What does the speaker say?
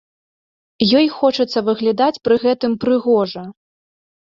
Ёй хочацца выглядаць пры гэтым прыгожа.